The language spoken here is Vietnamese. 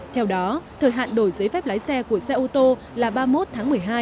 theo đó thời hạn đổi giấy phép lái xe của xe ô tô là ba mươi một tháng một mươi hai